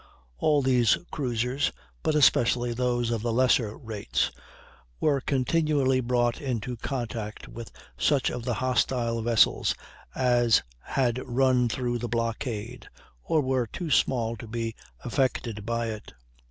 All these cruisers, but especially those of the lesser rates, were continually brought into contact with such of the hostile vessels as had run through the blockade, or were too small to be affected by it.